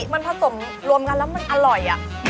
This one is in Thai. มันผสมรวมกันแล้วมันอร่อย